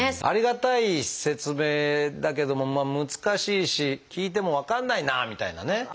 ありがたい説明だけども難しいし聞いても分かんないなみたいなね。